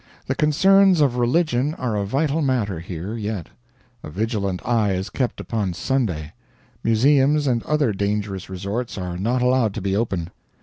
The concerns of religion are a vital matter here yet. A vigilant eye is kept upon Sunday. Museums and other dangerous resorts are not allowed to be open.